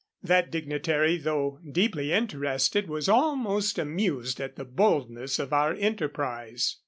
That dignitary, although deeply interested, was almost amused at the boldness of our enterprise.